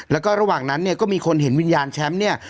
แล้วก็ระหว่างนั้นเนี่ยก็มีคนเห็นวิญญาณแชมป์เนี่ย